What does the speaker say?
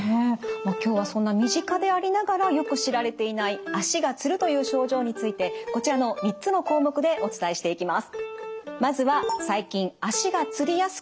今日はそんな身近でありながらよく知られていない足がつるという症状についてこちらの３つの項目でお伝えしていきます。